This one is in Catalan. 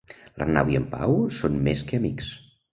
L'Arnau i en Pau són més que amics.